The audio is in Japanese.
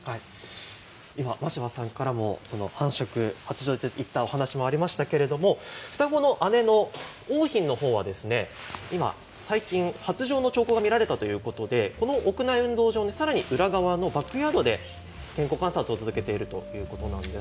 今真柴さんからも繁殖、発情とお話ありましたけれども双子の姉の桜浜の方は最近、発情の兆候が見られたということでこの屋内運動場のさらに裏側のバックヤードで健康観察を続けているということなんです。